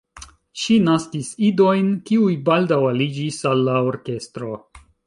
Ŝi naskis idojn, kiuj baldaŭ aliĝis al la orkestro.